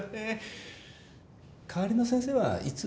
代わりの先生はいつ？